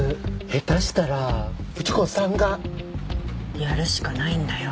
下手したら不二子さんが。やるしかないんだよ。